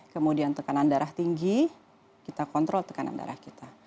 kemudian tekanan darah tinggi kita kontrol tekanan darah kita